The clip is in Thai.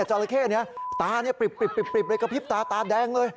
อุ๊ยเจ้าหน้าที่นี่ตาปริบเลยกระพริบตาตาแดงเลย